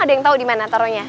ada yang tau dimana taruhnya